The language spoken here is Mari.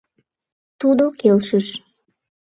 Тудо келшыш.